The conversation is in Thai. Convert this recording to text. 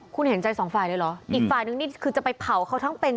คุณเห็นใจสองฝ่ายเลยเหรออีกฝ่ายนึงนี่คือจะไปเผาเขาทั้งเป็น